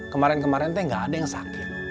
kemarin kemarin teh nggak ada yang sakit